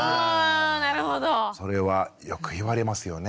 それはよく言われますよね。